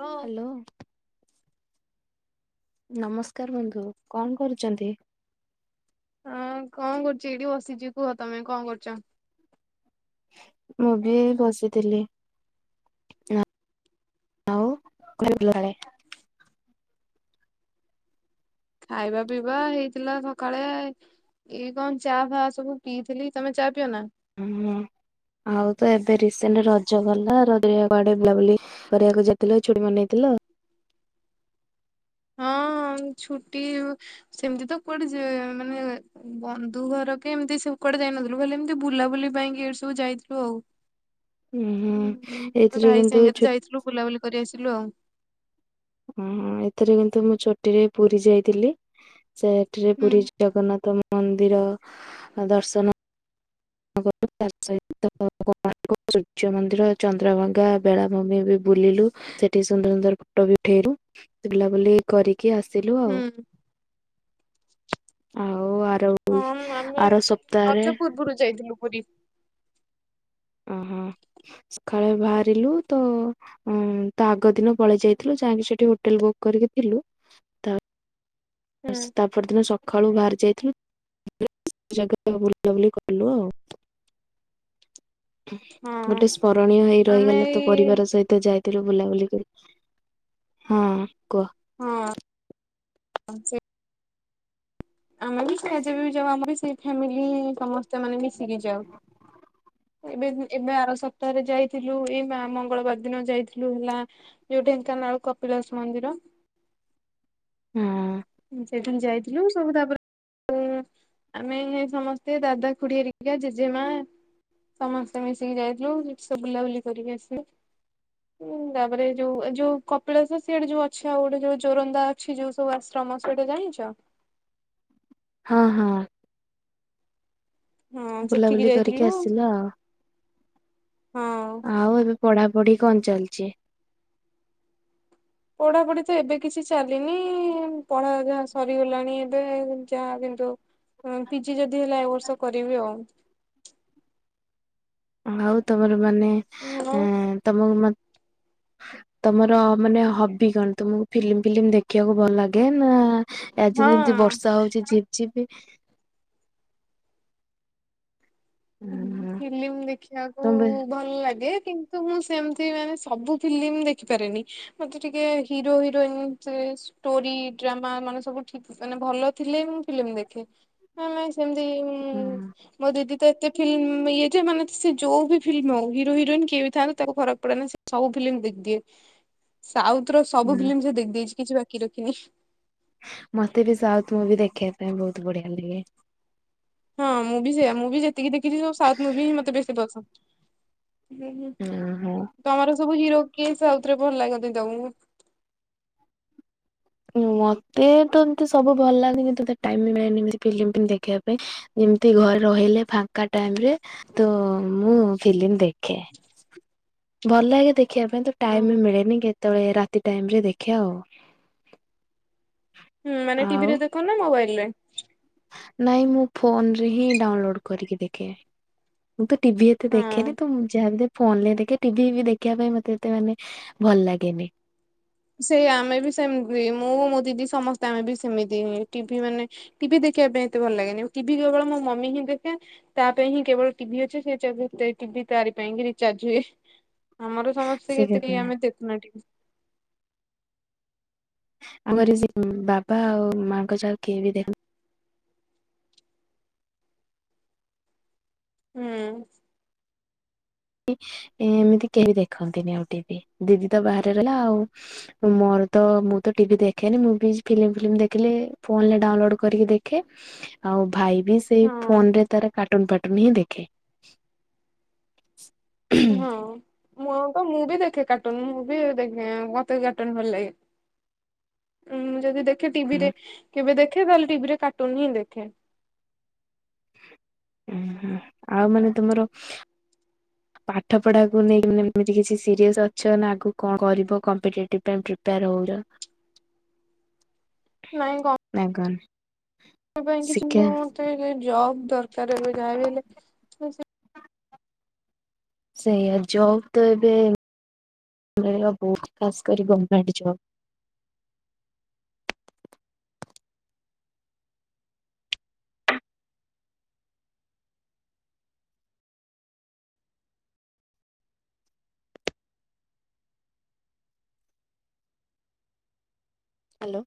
ହଉ ହ୍ୟାଲୋ। ନମସ୍କାର ବନ୍ଧୁ। କଣ କରୁଚନ୍ତି? ହଁ କଣ କରୁଚି ଏଇଠି ବସିଚି। କୁହ ତମେ କଣ କରୁଚ? ମୁଁ ବି ବସିଥିଲି। ଆଉ [unintelligible] ଖାଇବା ପିଇବା ହେଇଥିଲା ସକାଳେ ଏଇ କଣ ଚା ଫାହା ସବୁ ପିଇଥିଲି। ତମେ ଚା ପିଅ ନା? ହୁଁ ଆଉ ତ ଏବେ ରିସେଣ୍ଟ ରଜ ଗଲା ରଜ [unintelligible] ବୁଲାବୁଲି କରିବାକୁ ଯାଇଥିଲ ଚୁଟି ମନେଇଥିଲ? ହଁ ଛୁଟି ସେମିତି ତ କୁଆଠି ଯ ମାନେ ବନ୍ଧୁ ଘର କେମିତି ସବୁ କୁଆଡେ ଯାଇନଥିଲୁ। ଖାଲି ଏମିତି ବୁଲାବୁଲି ପାଇଁ କି ଏଠୁ ସବୁ ଯାଇଥିଲୁ ଆଉ। ଉ ହୁଁ ମୋ ଏଇଥିରେ ଭାଇ କିନ୍ତୁ ସାଙ୍ଗରେ ଛୁ ଯାଇଥିଲୁ ବୁଲାବୁଲି କରି ଆସିଲୁ ଆଉ। ଉଁ ହୁଁ ଏଥିରେ କିନ୍ତୁ ମୁଁ ଛୁଟିରେ ପୁରୀ ଯାଇଥିଲି। [unintelligible] ରେ ହୁଁ ପୁରୀ ଜଗନ୍ନାଥ ମନ୍ଦିର ଅ ଦର୍ଶନ କଲୁ ତା ସହିତ [unintelligible] ସୂର୍ଯ୍ୟ ମନ୍ଦିର ଚନ୍ଦ୍ରଭାଗା ବେଳାଭୂମି ବି ବୁଲିଲୁ। ସେଠି ସୁନ୍ଦର ସୁନ୍ଦର ଫଟୋ ବି ଉଠେଇଲୁ। ବୁଲା ବୁଲି କରି କି ଆସିଲୁ ଆଉ। ହୁଁ ଆଉ ଆର [unintelligible] ଆର ସପ୍ତାହରେ ପରୁ ଯାଇଥିଲୁ ପୁରୀ। ଓହୋ ସକାଳେ ବାହାରିଲୁ ତ ତା ଆଗ ଦିନ ପଳେଇ ଯାଇଥିଲୁ। ଯାଇକି ସେଠି ହୋଟେଲ ବୁକ୍ କରିକି ଥିଲୁ। ହୁଁ [unintelligible] ପରଦିନ ସକାଳୁ ବାହାରି ଯାଇଥିଲୁ [unintelligible] ଜାଗା ବୁଲବୁଲି କଲୁ ଆଉ। ଗୋଟେ ହଁ ସ୍ମରଣୀୟ ହେଇ ଆମେ ରହିଗଲା ତ ଏଇ ପରିବାର ସହିତ ତ ଯାଇଥିଲୁ ବୁଲାବୁଲି କରି। ହଁ କୁହ। ହଁ। ସେ ଆମେ ବି ସେ ଯେବେ ବି ଯାଉ, ଆମର ବି ସେ ଫେମିଲି ସମସ୍ତେ ମାନେ ମିଶିକି ଯାଉ। ଏବେ ଏବେ ଆର ସପ୍ତାହରେ ଯାଇଥିଲୁ, ଏଇ ମା ମଙ୍ଗଳବାର ଦିନ ଯାଇଥିଲୁ ହେଲା ଯୋଉ ଢେଙ୍କାନାଳ କପିଳାସ ମନ୍ଦିର। ହାଁ। ସେଦିନ ଯାଇଥିଲୁ, ସବୁ ତାପରେ ତ ଆମେ ହେ ସମସ୍ତେ ଦାଦା, ଖୁଡି ହେରିକା ଜେଜେମା। ସମସ୍ତେ ମିଶିକି ଯାଇଥିଲୁ, କିସବୁ ବୁଲାବୁଲି କରିକି ଆସିଲୁ। ଉଁ ତାପରେ ଯୋଉ, ଯୋଉ କପିଳାସ ସିଆଡେ ଯୋଉ ଅଛି, ଆଉ ଗୋଟେ ଯୋଉ ଜୋରନ୍ଦା ଅଛି, ଯୋଉ ସବୁ ଆସି [unintelligible] ଗୋଟେ ଜାଣିଛ? ହଁ ହଁ। ହଁ ସେଠିକି ବୁଲାବୁଲି କରିକି ଯାଇଥିଲୁ ଆସିଲ [inaudible] ହଁ। ଆଉ ଏବେ ପଢା ପଢି କଣ ଚାଲିଛି? ପଢାପଢି ତ ଏବେ କିଛି ଚାଲିନି, ପଢା ଯାହା ସରିଗଲାଣି ଏବେ ଯାହା କିନ୍ତୁ ପିଜି ଯଦି ହେଲା ଏ ବର୍ଷ କରିବି, ଆଉ ଆଉ ତମର ମାନେ? ଆଉ ହଁ। ଏ ତମକୁ ମା ତମର ମାନେ ହବି କଣ? ତମକୁ ଫିଲିମ୍ ଫିଲିମ ଦେଖିବାକୁ ଭଲ ଲାଗେ ନା ଆଜି ଯେମିତି ବର୍ଷା ହଉଛି ଝିପ୍ ଝିପ୍ ହ ଉଁ ଫିଲ୍ମ ଦେଖିବାକୁ ତମ ବେ ଭଲ ଲାଗେ କିନ୍ତୁ ତ ମୁଁ ସେମିତି ମାନେ ସବୁ ଫିଲ୍ମ ଦେଖିପାରେନି, ମତେ ଟିକେ hero heroine choice. Story drama ମାନେ ସବୁ ଠିକ ମାନେ ଭଲ ଥିଲେ ମୁଁ ଫିଲିମ ଦେଖେ। ହ ନାଇଁ ସେମିତି ଇ ଉଁ ମୋ ଦିଦି କୁ ତ ଏତେ ଫିଲ୍ମ ଇଏ ଯେ ମାନେ ସେ ଯୋଉ ବି ଫିଲ୍ମ ହଉ, ହିର ହିରୋଇନ କିଏ ବି ଥାଆନ୍ତୁ, ତାକୁ ଫରକ ପଡେ ନା ସିଏ ସବୁ ଫିଲ୍ମ ଦେଖିଦିଏ, ସାଉଥ ର ସବୁ ଉଁ ଫିଲ୍ମ ସେ ଦେଖିଦେଇଛି, କିଛି ବାକି ରଖିନି। ମତେ ବି ସାଉଥ ମୁଭି ଦେଖିବା ପାଇଁ ବହୁତ ବଢିଆ ଲାଗେ। ହଁ ମୁଁ ବି ସେଇଆ, ମୁଁ ବି ଯେତିକି ଦେଖିଛି ସବୁ ସାଉଥ ମୁଭି ହିଁ ମତେ ବେଶୀ ପସନ୍ଦ। ହୁଁ ହୁଁ। ତମର ସବୁ ହିରୋ କିଏ, ସାଉଥରେ ଭଲ ଲାଗନ୍ତି ତମକୁ? ମତେ ତ ଏମିତି ସବୁ ଭଲ ଲାଗନ୍ତି, କିନ୍ତୁ ତ ଟାଇମ ନାଇ ଏମତି ଫିଲ୍ମ ଦେଖିବା ପାଇଁ। ଏମତି ଘରେ ରହିଲେ, ଫାଙ୍କା ଟାଇରେ ତ ମୁଁ ଫିଲିମ ଦେଖେ। ଖେ ଭଲ ଲାଗେ ଦେଖିବା ପାଇଁ ତ ଟାଇମ ଓହୋ। ବି ମିଳେନି, କେତେ [unintelligible] ରାତି ଟାଇମ ରେ ଦେଖେ ଆଉ। ହୁଁ ମାନେ ଆଉ ଟିଭି ରେ ଦେଖ ନା ମୋବାଇଲ ରେ? ନାଇଁ ମୁଁ ଫୋନ ରେ ହିଁ ଡାଉନଲୋଡ କରିକି ଦେଖେ। ମୁଁ ତ ଟିଭି ଏତେ ଦେଖେନି ହଁ। ତ, ମୁଁ [unintelligible] ଫୋନ ରେ ଦେଖେ, ଟିଭି ଫିବି ଦେଖିବା ପାଇଁ ମତେ ଏତେ ମାନେ ଭଲ ଲାଗେନି। ସେୟା ଆମେ ବି ସେମିତି, ମୁଁ ମୋ ଦିଦି ସମସ୍ତେ ଆମେ ବି ସେମିତି, ଟିଭି ମାନେ ଟିଭି ଦେଖିବା ପାଇଁ ଏତେ ଭଲ ଲାଗେନି, ଟିଭି କେବଳ ମୋ ମମି ହିଁ ଦେଖେ। ତା ପାଇଁ ହିଁ କେବଳ ଟିଭି ଅଛି, ସେ ଟି ଭି ତାରି ପାଇଁ କିି ରିଚାର୍ଜ ହୁଏ। ଆମର ସମସ୍ତେ ସେ ଏତେ କଥା କେହି ଆମେ ଦେଖୁନା ଟି ଭି। ଆମ ସେ ବି ବାବା ଆଉ ମାଆଙ୍କ ଯାହା କେହି ବି ଦେଖ ହୁଁ ଉଁ। ଏମିତି କେହି ଦେଖନ୍ତିନି ଆଉ ଟି ଭି, ଦିଦି ତ ବାହାରେ ରହିଲା ଆଉ। ମୁଁ ଆଉ ତ ମୁଁ ତ ଟିଭି ଦେଖେନି, ମୁଁ ବି ଫିଲ୍ମ ଫିଲିମ ଦେଖିଲେ ଫୋନରେ ଡାଉନଲୋଡ କରିକି ଦେଖେ ଆଉ ଭାଇ ବି ସେଇ ହଁ। ଫୋନରେ ତାର କାର୍ଟୁନ ଫାଟୁନ ହିଁ ଦେଖେ। ହଁ ମୁଁ ଆଉ ତ, ମୁଁ ବି ଦେଖେ କାର୍ଟୁନ, ମୁଁ ବି ଦେଖେ, ମତେ କାର୍ଟୁନ ଭଲ ଲାଗେ। ଉଁଁ, ଯଦି ଦେଖେ ଟିଭିରେ କେବେ ଦେଖେ ନ ହେଲେ ଟିଭିରେ କାର୍ଟୁନ ହିଁ ଦେଖେ। ଉଁ ହୁଁ ଆଉ ମାନେ ତୁମର ପାଠ ପଢାକୁ ନେଇ ଏମତି କିଛି ସିରିୟସ ଅଛ, ନା ଆଗକୁ କଣ କରିବ କମ୍ପିଟେଟିଭ ପାଇଁ ପ୍ରିପେଆର ହୋଉଛ? [inaudible] ନାଇଁ କ ନାଇଁ କରନି। ସେଥିପାଇଁ କିଛି ମୋ ତେ ଜବ୍ ଦରକାର ଏବେ ଯାହା ବି ହେଲେ ସେଇଆ ଜବ୍ ତ ଏବେ, ମିଳିବା ବହୁତ ଖାସ କରି ଗଭର୍ମେଣ୍ଟ ଜବ୍। ଆଲୋ।